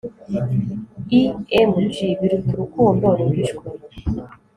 Img biruta urukundo ruhishwe